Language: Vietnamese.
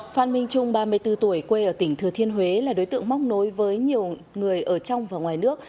phan minh trung ba mươi bốn tuổi quê ở tỉnh thừa thiên huế là đối tượng móc nối với nhiều người ở trong và ngoài nước